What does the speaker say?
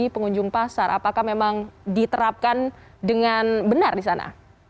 pengunjung pasar apakah memang diterapkan dengan benar di sana